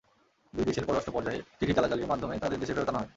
দুই দেশের পররাষ্ট্র পর্যায়ে চিঠি চালাচালির মাধ্যমে তাদের দেশে ফেরত আনা হয়।